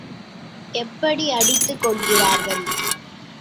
எப்படி அடித்துக் கொள்கிறார்கள்!...